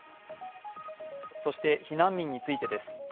そして避難民についてです。